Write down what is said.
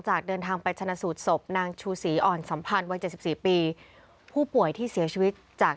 เขาก็ต้องเสียชีวิตถามเขาก็ต้องเสียชีวิตถาม